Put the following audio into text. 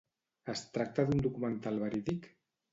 Es tracta d'un documental verídic?